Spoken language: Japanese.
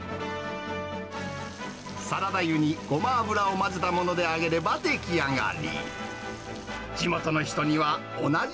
サラダ油にごま油を混ぜたもので揚げれば出来上がり。